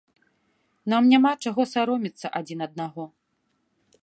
Нам няма чаго саромецца адзін аднаго.